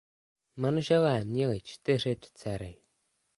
Manželé měli čtyři dcery.